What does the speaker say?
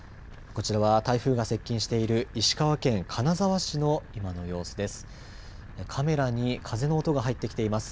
こちらは台風が接近している石川県金沢市の今の様子です。